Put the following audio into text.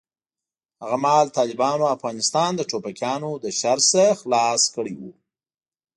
هغه مهال طالبانو افغانستان د ټوپکیانو له شر نه خلاص کړی و.